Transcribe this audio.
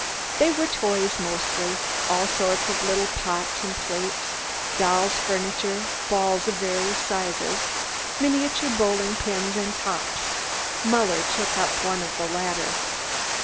They were toys, mostly, all sorts of little pots and plates, dolls' furniture, balls of various sizes, miniature bowling pins, and tops. Muller took up one of the latter.